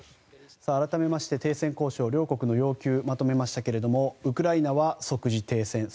改めまして停戦交渉、両国の要求をまとめましたけどもウクライナは即時停戦